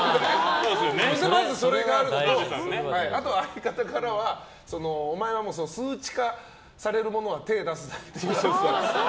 まずそれがあるのとあと相方からはお前は数値化されるものは手を出すなって。